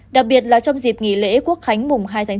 đặc biệt là trong dịp nghỉ lễ quốc khánh mùng hai tháng chín